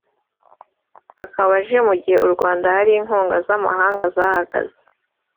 akaba aje mu gihe u Rwanda hari inkunga z’amahanga zahagaze